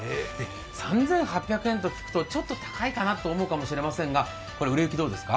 ３８００円と聞くとちょっと高いかなと思うんですが、売れ行きどうですか？